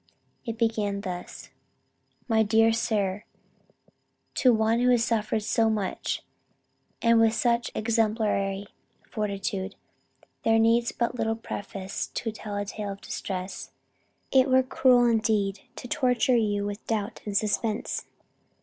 It began thus: 'My dear Sir, To one who has suffered so much and with such exemplary fortitude, there needs but little preface to tell a tale of distress. It were cruel indeed to torture you with doubt and suspense.